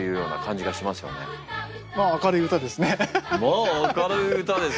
「明るい歌です」？